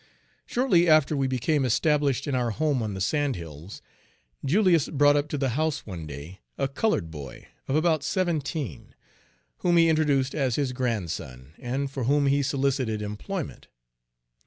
Shortly after we became established in our home on the sand hills, Julius brought up to the house one day a colored boy of about seventeen, whom he introduced as his grandson, and for whom he solicited employment.